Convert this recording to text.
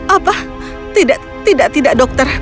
apa tidak tidak tidak dokter